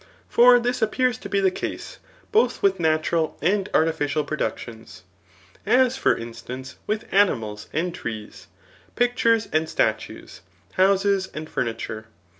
For this appears to be the case both with natu ral and artificial productions ; as, for instance, with ani mals and trees, pictures and statues, houses and furniture.